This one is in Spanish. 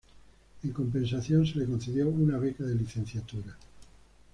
En compensación, se le concedió una beca de licenciatura.